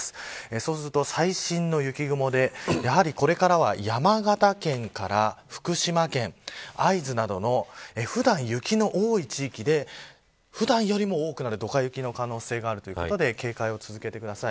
そうすると最新の雪雲でこれからは、山形県から福島県会津などの普段、雪の多い地域で普段よりも多くなるドカ雪の可能性があるということで警戒を続けてください。